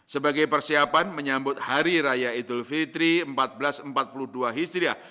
sebagai persiapan menyambut hari raya idul fitri seribu empat ratus empat puluh dua hijriah